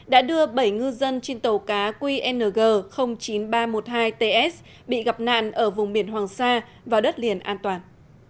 đã đưa bảy ngư dân trên tàu cá qng chín nghìn ba trăm một mươi hai ts bị gặp nạn ở vùng biển hoàng sa vào đất liền an toàn